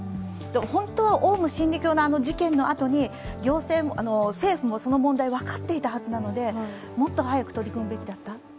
本当はオウム真理教のあの事件のあとに、政府も行政も問題が分かっていたはずなので、もっと早く取り組むべきだったなと。